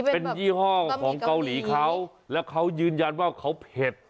เป็นยี่ห้อของเกาหลีเขาแล้วเขายืนยันว่าเขาเผ็ด